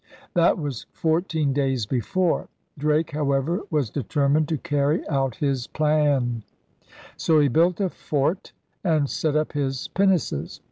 ' That was fourteen days before. Drake, however, was determined to carry out his plan. DRAKE'S BEGINNING 103 So he built a fort and set up his pinnaces.